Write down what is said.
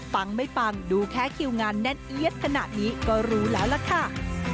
ฟังไม่ฟังดูแค่คิวงานแน่นเอี๊ยดขนาดนี้ก็รู้แล้วล่ะค่ะ